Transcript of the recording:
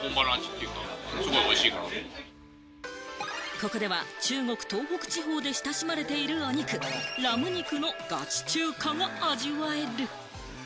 ここでは中国の東北地方で親しまれているお肉、ラム肉のガチ中華も味わえる。